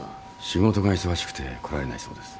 仕事が忙しくて来られないそうです。